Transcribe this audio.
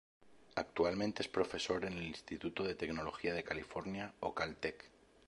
Actualmente es profesor en el Instituto de Tecnología de California o "Caltech".